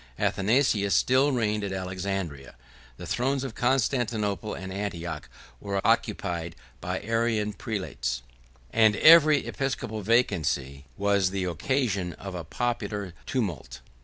Athanasius still reigned at Alexandria; the thrones of Constantinople and Antioch were occupied by Arian prelates, and every episcopal vacancy was the occasion of a popular tumult.